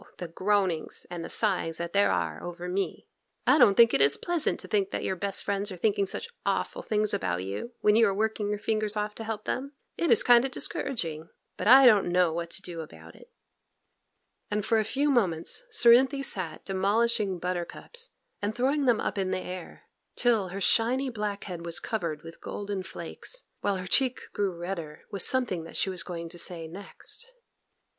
the groanings and the sighings that there are over me! 'I don't think it is pleasant to think that your best friends are thinking such awful things about you when you are working your fingers off to help them; it is kind o' discouraging, but I don't know what to do about it;' and for a few moments Cerinthy sat demolishing buttercups and throwing them up in the air, till her shiny black head was covered with golden flakes, while her cheek grew redder with something that she was going to say next.